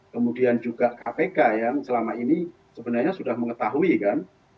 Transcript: kemudian juga kpk yang selama ini sebenarnya sudah mengetahui kan